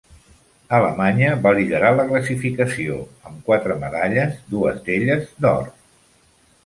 Alemanya va liderar la classificació amb quatre medalles, dues d'elles, d'or.